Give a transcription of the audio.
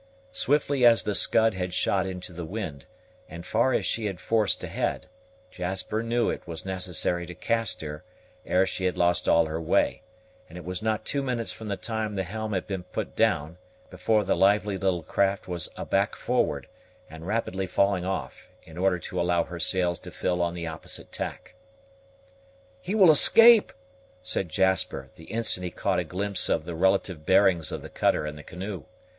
Swiftly as the Scud had shot into the wind, and far as she had forced ahead, Jasper knew it was necessary to cast her ere she had lost all her way; and it was not two minutes from the time the helm had been put down before the lively little craft was aback forward, and rapidly falling off, in order to allow her sails to fill on the opposite tack. "He will escape!" said Jasper the instant he caught a glimpse of the relative bearings of the cutter and the canoe.